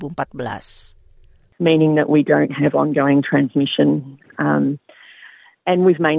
maksudnya kita tidak memiliki transmisi yang berterusan